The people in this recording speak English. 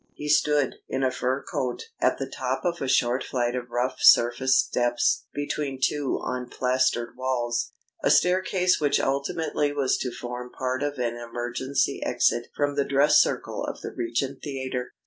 He stood, in a fur coat, at the top of a short flight of rough surfaced steps between two unplastered walls a staircase which ultimately was to form part of an emergency exit from the dress circle of the Regent Theatre.